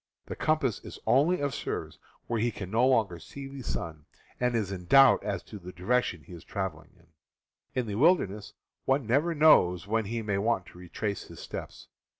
The com pass is only of service when he can no longer see the sun, and is in doubt as to the direction he is traveling in. In the wilderness one never knows when he may want to retrace his steps.